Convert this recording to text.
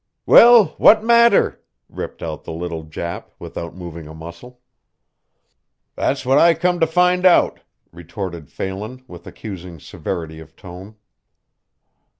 "Well, what matter?" ripped out the little Jap, without moving a muscle. "That's what I come to find out," retorted Phelan, with accusing severity of tone.